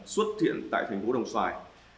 xuất hiện tại thành phố đồng xoài